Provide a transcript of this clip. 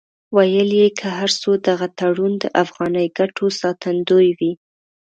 ویل یې که هر څو دغه تړون د افغاني ګټو ساتندوی وي.